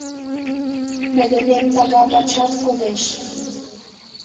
— Мый денем тага пачат кодеш.